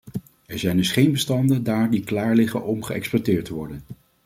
Er zijn dus geen bestanden daar die klaar liggen om geëxploiteerd te worden.